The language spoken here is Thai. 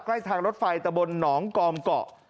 ใกล้ทางรถไฟตะบนหนองกอมเกาะ